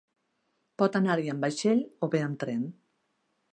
Pot anar-hi amb vaixell o bé amb tren.